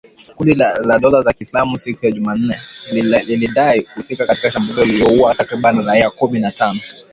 Kundi la dola ya kiislamu siku ya Jumanne, lilidai kuhusika na shambulizi lililoua takribani raia kumi na tano